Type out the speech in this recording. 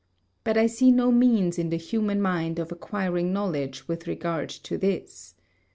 But I see no means in the human mind of acquiring knowledge with regard to this.